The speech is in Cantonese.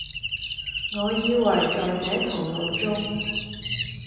我以爲在這途路中，